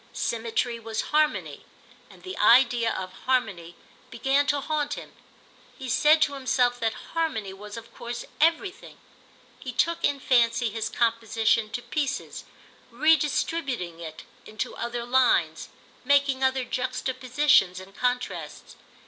Symmetry was harmony, and the idea of harmony began to haunt him; he said to himself that harmony was of course everything. He took, in fancy, his composition to pieces, redistributing it into other lines, making other juxtapositions and contrasts.